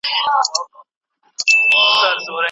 پوهه د تيارو پر وړاندې يوازينۍ رڼا ده.